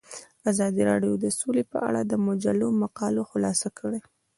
ازادي راډیو د سوله په اړه د مجلو مقالو خلاصه کړې.